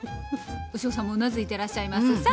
牛尾さんもうなずいていらっしゃいます。